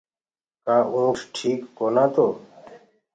ڪآ اونٺ ٺيڪ ڪونآ تو